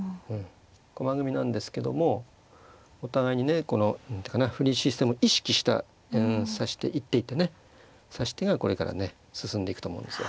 駒組みなんですけどもお互いにね何ていうかな藤井システムを意識した指し手一手一手ね指し手がこれからね進んでいくと思うんですよ。